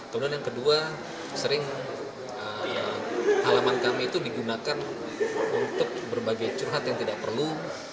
kemudian yang kedua sering halaman kami itu digunakan untuk berbagai curhat yang tidak perlu